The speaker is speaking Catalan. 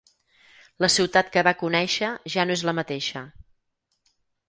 La ciutat que va conèixer ja no és la mateixa.